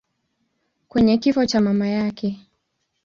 kwenye kifo cha mama yake.